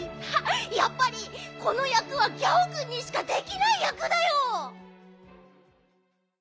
やっぱりこのやくはギャオくんにしかできないやくだよ。